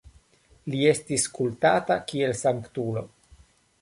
Li estis kultata kiel sanktulo.